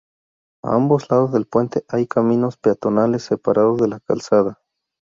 A ambos lados del puente hay caminos peatonales separados de la calzada.